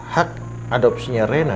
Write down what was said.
hak adopsinya rena